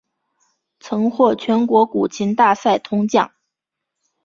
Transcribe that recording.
曾获全国古琴大赛铜奖。